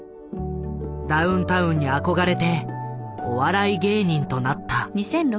ダウンタウンに憧れてお笑い芸人となった。